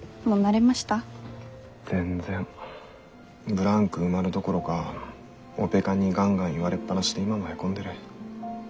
ブランク埋まるどころかオペ看にガンガン言われっぱなしで今もヘコんでる。